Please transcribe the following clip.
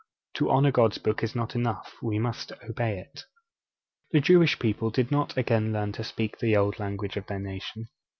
To honour God's Book is not enough; we must obey it. The Jewish people did not again learn to speak the old language of their nation.